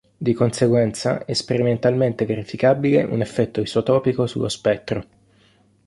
Di conseguenza è sperimentalmente verificabile un effetto isotopico sullo spettro.